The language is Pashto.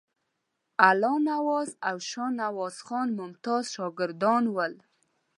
الله نواز او شاهنواز خان ممتاز شاګردان ول.